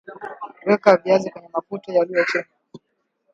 Weka viazi kwenye mafuta yaliyochemka